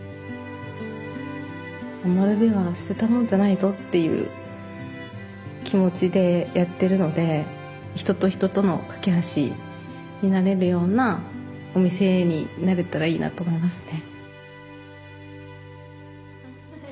余部は捨てたもんじゃないぞっていう気持ちでやってるので人と人との懸け橋になれるようなお店になれたらいいなと思いますね。